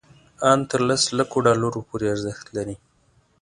ان تر لس لکو ډالرو پورې ارزښت لري.